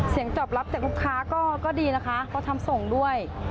เสียงตอบรับจากลูกค้าก็ดีนะคะเพราะทำส่งด้วย